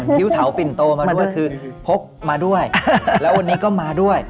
นิ้วเถาปิ่นโตมาด้วยคือพกมาด้วยแล้ววันนี้ก็มาด้วย